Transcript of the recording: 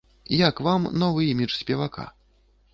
Як вам новы імідж спевака?